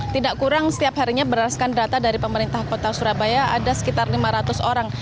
tidak kurang setiap harinya berdasarkan data dari pemerintah kota surabaya ada sekitar lima ratus orang